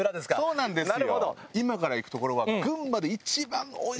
そうなんですよ。